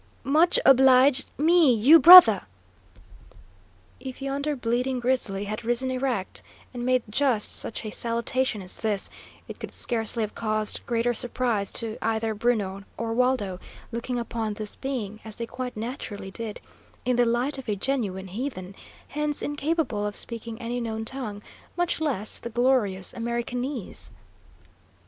"Much obliged me, you, brother!" If yonder bleeding grizzly had risen erect and made just such a salutation as this, it could scarcely have caused greater surprise to either Bruno or Waldo, looking upon this being, as they quite naturally did, in the light of a genuine "heathen," hence incapable of speaking any known tongue, much less the glorious Americanese.